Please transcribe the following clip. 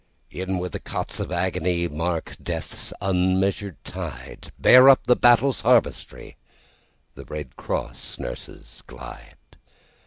In where the cots of agonyMark death's unmeasured tide—Bear up the battle's harvestry—The Red Cross nurses glide.